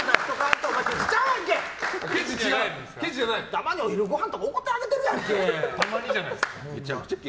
たまにお昼ごはんとかおごってあげてるやんけ！